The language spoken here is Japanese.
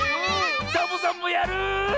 サボさんもやる！